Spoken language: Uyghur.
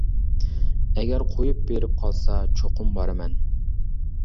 ئەگەر قويۇپ بېرىپ قالسا چوقۇم بارىمەن.